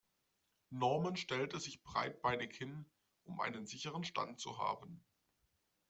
Norman stellte sich breitbeinig hin, um einen sicheren Stand zu haben.